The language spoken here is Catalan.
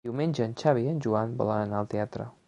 Diumenge en Xavi i en Joan volen anar al teatre.